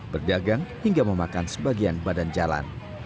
berdagang hingga memakan sebagian badan jalan